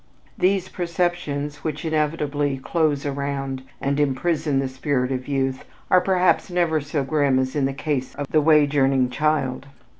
These perceptions which inevitably "close around" and imprison the spirit of youth are perhaps never so grim as in the case of the wage earning child.